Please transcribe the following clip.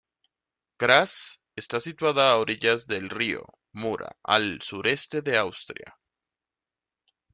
Graz está situada a orillas del río Mura al sureste de Austria.